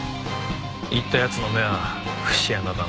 言った奴の目は節穴だな。